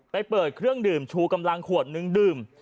เปิดเครื่องดื่มชูกำลังขวดนึงดื่ม